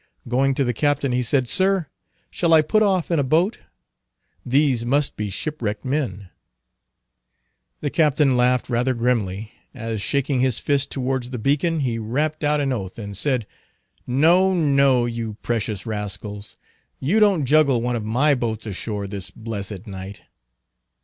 Going to the captain he said, "Sir, shall I put off in a boat? These must be shipwrecked men." The captain laughed rather grimly, as, shaking his fist towards the beacon, he rapped out an oath, and said—"No, no, you precious rascals, you don't juggle one of my boats ashore this blessed night.